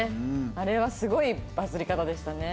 あれはすごいバズり方でしたね。